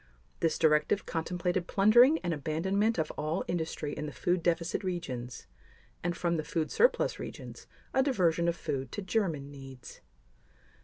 This directive contemplated plundering and abandonment of all industry in the food deficit regions and, from the food surplus regions, a diversion of food to German needs.